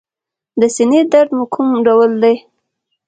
د سینې درد مو کوم ډول دی؟